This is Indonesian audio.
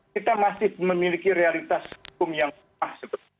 kita masih memiliki realitas hukum yang pas